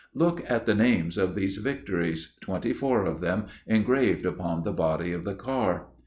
Look at the names of these victories, twenty four of them, engraved upon the body of the car.